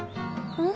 うん？